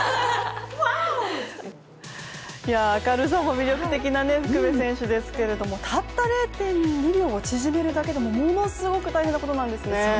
明るさも魅力的な福部選手ですけれどもたった０．２秒縮めるだけでもものすごく大変なことなんですね。